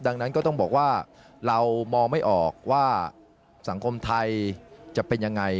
ดังนั้นก็ต้องบอกว่าเรามองไม่ออกว่าสังคมไทยจะเป็นยังไง